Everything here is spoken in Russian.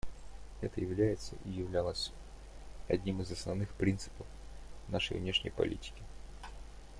Это является и являлось одним из основных принципов нашей внешней политики.